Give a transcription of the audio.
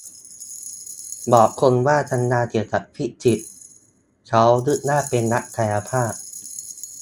บอกคนว่าทำงานเกี่ยวกับฟิสิกส์ เค้านึกว่าเป็นนักกายภาพ